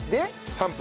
３分。